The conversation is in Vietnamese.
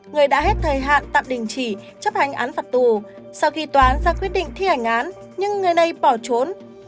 người đã hết thời hạn tạm đình chỉ chấp hành án phạt tù sau khi toán ra quyết định thi hành án nhưng người này bỏ trốn